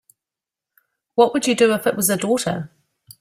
What would you do if it was a daughter?